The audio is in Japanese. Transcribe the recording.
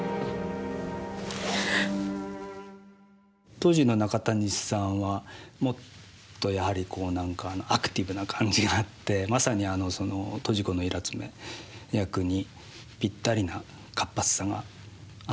当時の中谷さんはもっとやはりこう何かアクティブな感じがあってまさに刀自古郎女役にぴったりな活発さがある感じの印象でしたね。